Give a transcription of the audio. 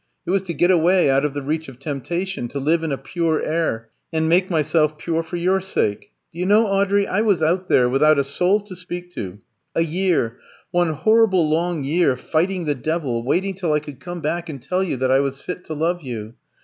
It was to get away out of the reach of temptation, to live in a pure air, and make myself pure for your sake. Do you know, Audrey, I was out there, without a soul to speak to, a year, one horrible long year, fighting the devil, waiting till I could come back and tell you that I was fit to love you.